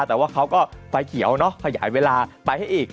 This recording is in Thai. แต่ว่าเขาก็ไฟเขียวเนอะขยายเวลาไปให้อีก